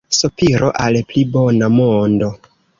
Sopiro al pli bona mondo.